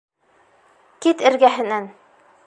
Кит эргәһенән.